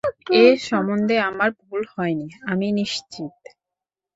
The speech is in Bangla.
এ সম্বন্ধে আমার ভুল হয়নি, আমি নিশ্চিত।